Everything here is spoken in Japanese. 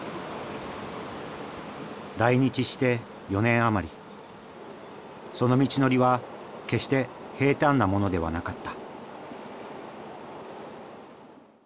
来日して４年余りその道のりは決して平坦なものではなかった。